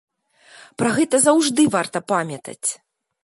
Пра гэта заўжды варта памятаць.